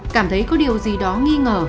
cảm thấy có điều gì đó nghi ngờ